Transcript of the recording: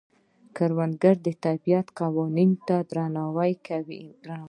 کروندګر د طبیعت قوانینو ته درناوی لري